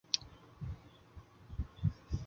他也因宝华蓝而成名。